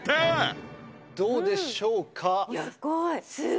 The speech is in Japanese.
どうでしょうか？